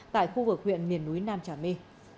tại khu vực huyện miền núi nam trà my